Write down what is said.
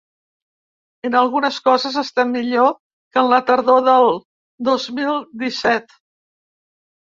En algunes coses estem millor que en la tardor del dos mil disset.